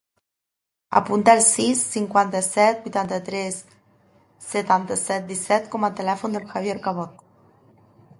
Apunta el sis, cinquanta-set, vuitanta-tres, setanta-set, disset com a telèfon del Javier Cabot.